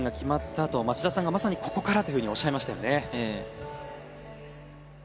あと町田さんがまさにここからという風におっしゃいましたよね。